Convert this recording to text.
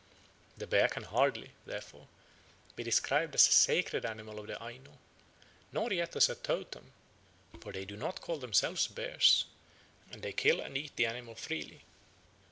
The bear can hardly, therefore, be described as a sacred animal of the Aino, nor yet as a totem; for they do not call themselves bears, and they kill and eat the animal freely.